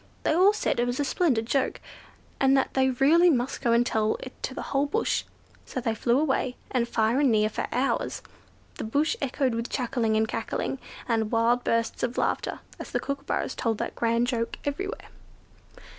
They all said it was a splendid joke, and that they really must go and tell it to the whole bush. So they flew away, and far and near, for hours, the bush echoed with chuckling and cackling, and wild bursts of laughter, as the kookooburras told that grand joke everywhere.